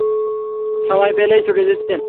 সময় পেলেই ছুটে যেতেন।